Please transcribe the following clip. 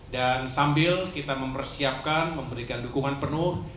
sambil kita mempersiapkan memberikan dukungan penuh